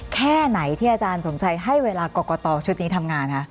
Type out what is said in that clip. แค่ไหนที่อาจารย์สมชัยให้เวลากรกตชุดนี้ทำงานคะ